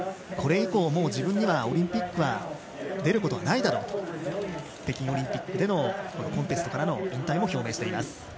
これ以降、自分にはオリンピックに出ることはないだろうと北京オリンピックでのコンテストからの引退も引退も表明しています。